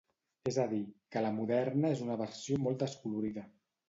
És a dir, que la moderna és una versió molt descolorida.